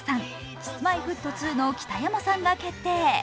Ｋｉｓ−Ｍｙ−Ｆｔ２の北山さんが決定。